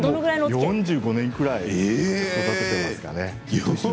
４５年ぐらい育てています。